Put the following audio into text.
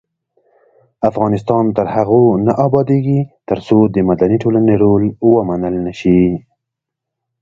افغانستان تر هغو نه ابادیږي، ترڅو د مدني ټولنې رول ومنل نشي.